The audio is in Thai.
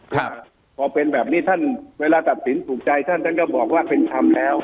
ครับพอเป็นแบบนี้ท่านเวลาตัดสินถูกใจท่านท่านก็บอกว่าเป็นธรรมแล้ว